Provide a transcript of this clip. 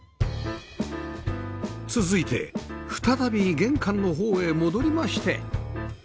続いて再び玄関の方へ戻りまして